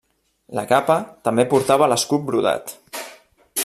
La capa també portava l'escut brodat.